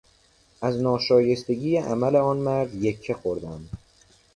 از ناشایستگی عمل آن مرد یکه خوردم.